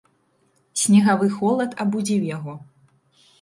Снегавы холад абудзіў яго.